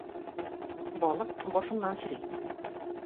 Балык башыннан чери.